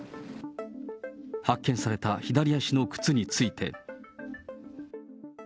発見された左足の靴について。